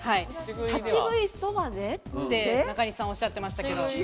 立ち食いそばでって中西さんはおっしゃってましたけれども。